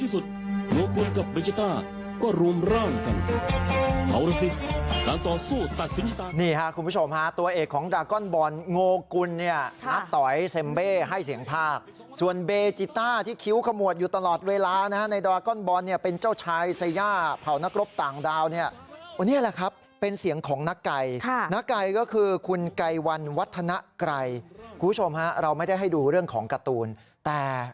นี่คุณผู้ชมฮะตัวเอกของดากอนบอลโงกุลเนี่ยณต๋อยเซ็มเบ้ให้เสียงภาคส่วนเบจิต้าที่คิ้วขมวดอยู่ตลอดเวลานะฮะในดรากอนบอลเนี่ยเป็นเจ้าชายไซยาเผานักรบต่างดาวเนี่ยวันนี้แหละครับเป็นเสียงของนักไก่นักไก่ก็คือคุณไกรวันวัฒนาไกรคุณผู้ชมฮะเราไม่ได้ให้ดูเรื่องของการ์ตูนแต่